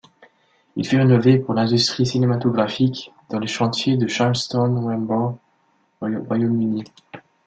Il fut rénové pour l'industrie cinématographique, dans les chantiers de Charlestown Harbour Royaume-Uni.